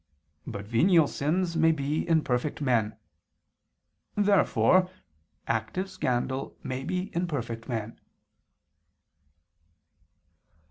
But venial sins may be in perfect men. Therefore active scandal may be in perfect men.